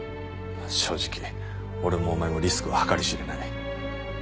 正直俺もお前もリスクは計り知れない。